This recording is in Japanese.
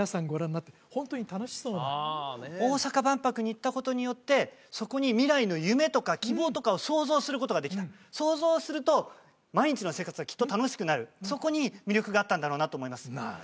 ご覧になってホントに楽しそうな大阪万博に行ったことによってそこに未来の夢とか希望とかを想像することができた想像すると毎日の生活がきっと楽しくなるそこに魅力があったんだろうなと思います